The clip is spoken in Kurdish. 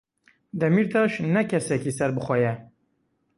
Demîrtaş ne kesekî serbixwe ye.